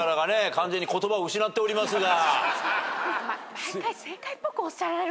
完全に言葉を失っておりますが。